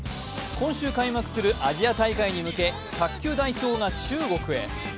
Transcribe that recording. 今週開幕するアジア大会に向け卓球代表が中国へ。